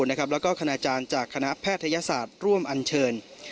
แล้วก็คณาจารย์จากคณะแพทยศาสตร์ร่วมอันเชิญ